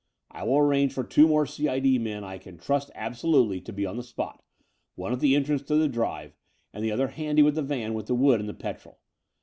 I will arrange for two more C. I. D. men I can trust absolutely to be on the spot, one at the entrance to the drive, and the other handy with the van with the wood and the petrol.